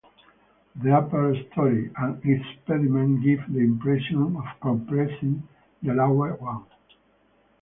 The upper storey and its pediment give the impression of compressing the lower one.